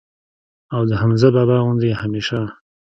او د حمزه بابا غوندي ئې هميشه